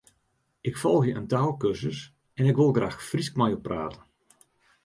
Ik folgje in taalkursus en ik wol graach Frysk mei jo prate.